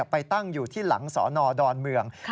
ไปตั้งอยู่ที่หลังสอนอดอนเมือง